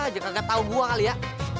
jangan gak tau gua kali ya